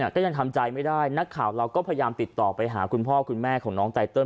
ก็ยังทำใจไม่ได้นักข่าวเราก็พยายามติดต่อไปหาคุณพ่อคุณแม่ของน้องไตเติล